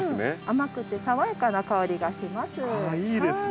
甘くて爽やかな香りがします。